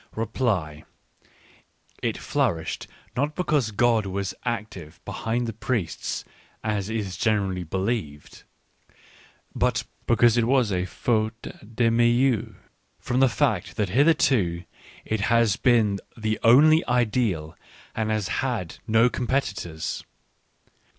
Reply : it flourished not because God was active behind the priests, as is generally believed, but because it was Digitized by Google Il8 ECCE HOMO afaute de rnieux — from the fact that hitherto it has been the only ideal and has had no competitors.